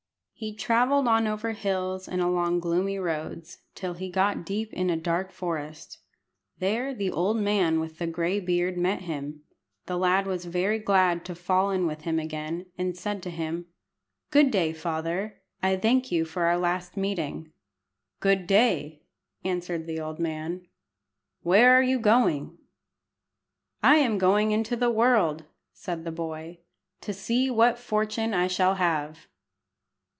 He travelled on over hills, and along gloomy roads, till he got deep in a dark forest. There the old man with the gray beard met him. The lad was very glad to fall in with him again, and said to him "Good day, father. I thank you for our last meeting." "Good day," answered the old man. "Where are you going?" "I am going into the world," said the boy, "to see what fortune I shall have."